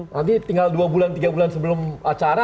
nanti tinggal dua bulan tiga bulan sebelum acara